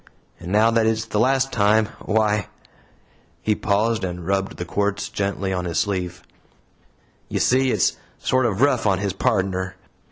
And now that it's the last time, why" he paused and rubbed the quartz gently on his sleeve "you see it's sort of rough on his pardner.